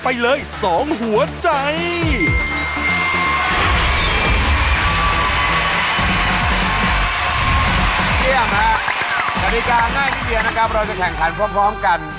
รีมไปเลยตรงเลยครับหมุน